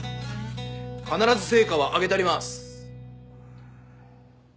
必ず成果は上げたります！